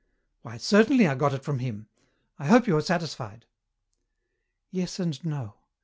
"Why, certainly I got it from him. I hope you are satisfied." "Yes and no.